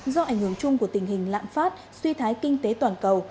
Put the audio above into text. do ảnh hưởng chung của tình hình lạm phát suy thái kinh tế toàn cầu